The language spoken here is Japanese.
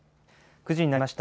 ９時になりました。